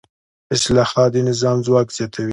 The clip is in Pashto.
اصلاحات د نظام ځواک زیاتوي